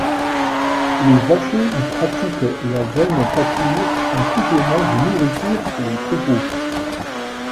Les vachers y pratiquent la vaine pâture en complément de nourriture pour le troupeau.